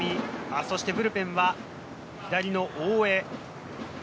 そしてブルペンは左の大江。